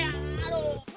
eh tena ya aduh